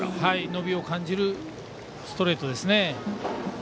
伸びを感じるストレートですね。